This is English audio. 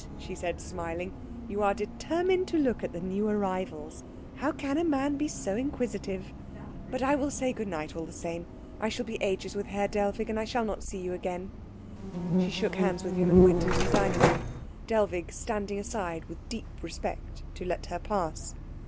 she said, smiling. "You are determined to look at the new arrivals. How can a man be so inquisitive? But I will say good night all the same. I shall be ages with Herr Dellwig, and shall not see you again." She shook hands with him, and went into the dining room, Dellwig standing aside with deep respect to let her pass.